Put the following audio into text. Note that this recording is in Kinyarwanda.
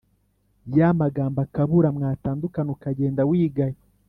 yamagambo akabura, mwatandukana ukagenda wigaya,